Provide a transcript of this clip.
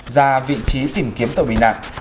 ra vị trí tìm kiếm tàu bị nạn